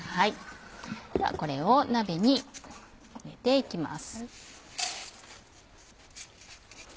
ではこれを鍋に入れて行きます。